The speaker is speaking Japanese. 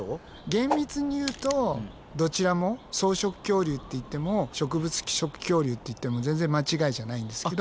厳密に言うとどちらも草食恐竜って言っても植物食恐竜って言っても全然間違いじゃないんですけど。